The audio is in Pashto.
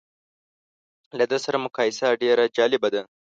له ده سره مقایسه ډېره جالبه ده.